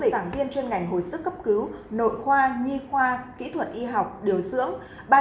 sản viên trên ngành hồi sức cấp cứu nội khoa nhi khoa kỹ thuật y học điều dưỡng